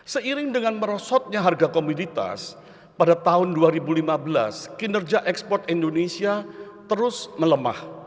seiring dengan merosotnya harga komoditas pada tahun dua ribu lima belas kinerja ekspor indonesia terus melemah